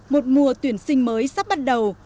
một mùa tuyển sinh mới sắp bắt đầu